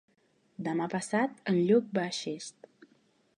Demà passat en Lluc va a Xest.